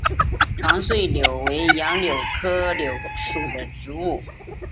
长穗柳为杨柳科柳属的植物。